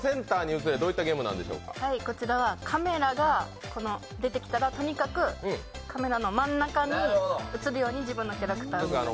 カメラが出てきたらとにかくカメラの真ん中に写るように自分のキャラクターを。